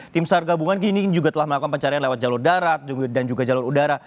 tim sar gabungan kini juga telah melakukan pencarian lewat jalur darat dan juga jalur udara